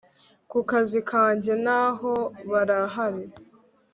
Kukazi ka njye naho barahari